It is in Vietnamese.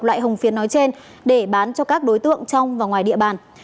loại hồng phiến nói trên để bán cho các đối tượng trong và ngoài địa bàn